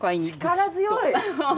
力強い！